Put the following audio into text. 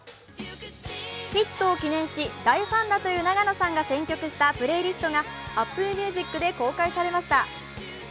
ヒットを記念して大ファンだという永野さんが選曲したプレイリストがＡｐｐｌｅＭｕｓｉｃで公開されました。